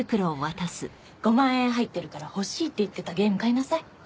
５万円入ってるから欲しいって言ってたゲーム買いなさい。